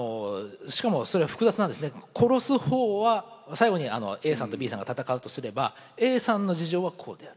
殺す方は最後にＡさんとＢさんが戦うとすればＡさんの事情はこうであると。